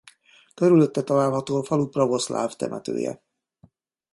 Körülötte található a falu pravoszláv temetője.